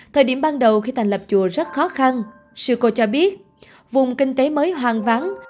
thời điểm ban đầu khi thành lập chùa rất khó khăn sico cho biết vùng kinh tế mới hoang vắng